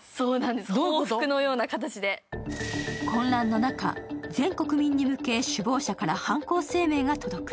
混乱の中、全国民に向け首謀者から犯行声明が届く。